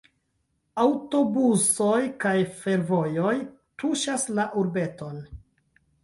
Aŭtobusoj kaj fervojoj tuŝas la urbeton.